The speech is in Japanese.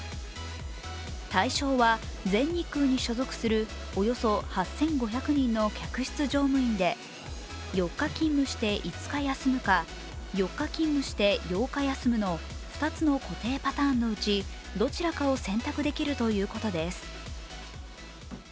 対象は全日空に所属するおよそ８５００人の客室乗務員で４日勤務して５日休むか、４日勤務して８日休むの２つの固定パターンのうち、どちらかを選択できるということです。